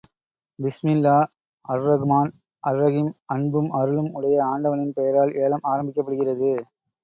பிஸ்மில்லா அர்ரஹ்மான் அர்ரஹீம் அன்பும் அருளும் உடைய ஆண்டவனின் பெயரால் ஏலம் ஆரம்பிக்கப்படுகிறது.